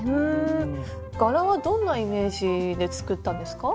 柄はどんなイメージで作ったんですか？